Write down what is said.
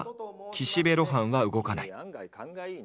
「岸辺露伴は動かない」。